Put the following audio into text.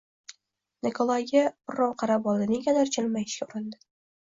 Nikolayga birrov qarab oldi, negadir jilmayishga urindi